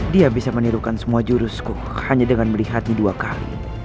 dia bisa menirukan semua jurusku hanya dengan melihatnya dua kali